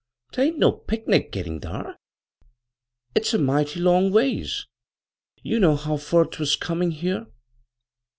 " 'Tain't no picnic gittin' thar. It's a mighty long ways. You know how fur 'twas comin' here."